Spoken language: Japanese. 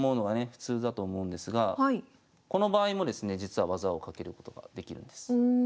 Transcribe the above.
普通だと思うんですがこの場合もですね実は技をかけることができるんです。